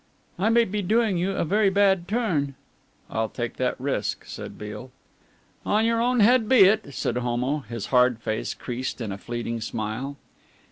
"I may be doing you a very bad turn." "I'll take that risk," said Beale. "On your own head be it," said Homo, his hard face creased in a fleeting smile.